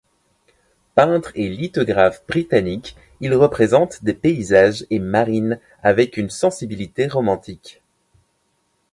Peintre et lithographe britannique, il représente des paysages et marines avec une sensibilité romantique.